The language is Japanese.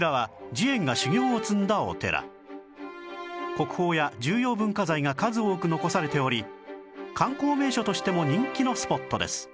国宝や重要文化財が数多く残されており観光名所としても人気のスポットです